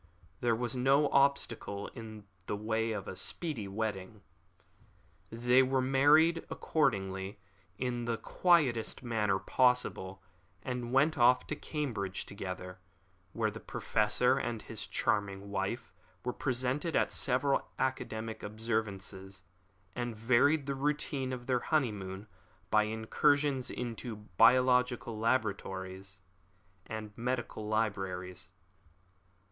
There was no obstacle in the way of a speedy wedding. They were married, accordingly, in the quietest manner possible, and went off to Cambridge together, where the Professor and his charming wife were present at several academic observances, and varied the routine of their honeymoon by incursions into biological laboratories and medical libraries.